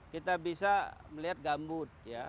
kita bisa melihat gambut ya